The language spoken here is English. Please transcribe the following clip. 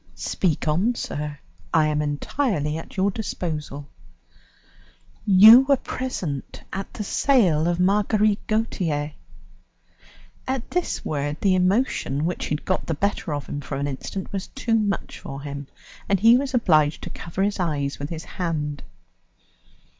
"Speak on, sir, I am entirely at your disposal." "You were present at the sale of Marguerite Gautier?" At this word the emotion, which he had got the better of for an instant, was too much for him, and he was obliged to cover his eyes with his hand.